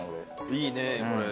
いいねこれ。